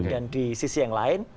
dan di sisi yang lain